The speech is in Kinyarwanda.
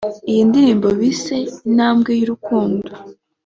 Iyi ndirimbo bise “Intambwe y’urukundo”